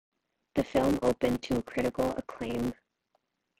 The film opened to critical acclaim.